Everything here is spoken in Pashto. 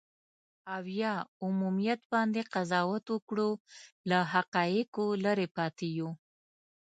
او یا عمومیت باندې قضاوت وکړو، له حقایقو لرې پاتې یو.